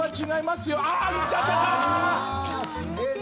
すげえな。